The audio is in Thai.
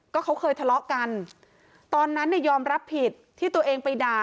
ก็เขาเคยทะเลาะกันตอนนั้นเนี่ยยอมรับผิดที่ตัวเองไปด่า